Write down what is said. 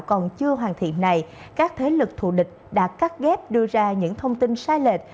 còn chưa hoàn thiện này các thế lực thù địch đã cắt ghép đưa ra những thông tin sai lệch